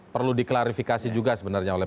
perlu diklarifikasi juga sebenarnya oleh